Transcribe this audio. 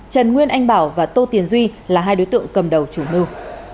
trần nguyên anh bảo và tô tiền duy là hai đối tượng cầm đầu chủ mưu